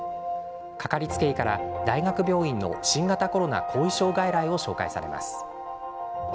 掛かりつけ医から大学病院の新型コロナ後遺症外来を紹介されます。